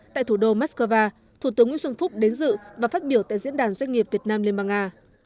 tại thủ đô moscow thủ tướng nguyễn xuân phúc đến dự và phát biểu tại diễn đàn doanh nghiệp việt nam liên bang nga